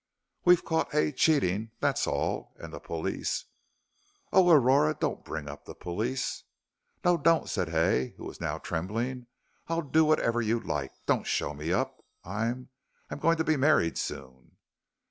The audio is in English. "We've caught Hay cheating, that's all, and the police " "Oh, Aurora, don't bring up the police." "No, don't," said Hay, who was now trembling. "I'll do whatever you like. Don't show me up I'm I'm going to be married soon."